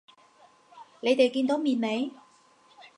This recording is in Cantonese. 你哋見到面未？